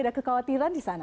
ada kekhawatiran di sana